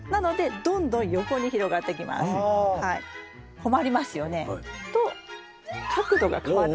困りますよね。と角度が変わってきます。